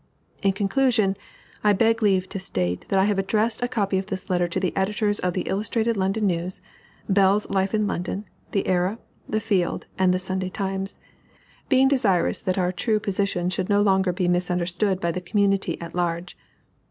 In conclusion, I beg leave to state that I have addressed a copy of this letter to the editors of the Illustrated London News, Bell's Life in London, The Era, The Field, and The Sunday Times, being desirous that our true position should no longer be misunderstood by the community at large.